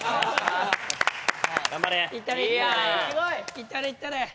いったれいったれ。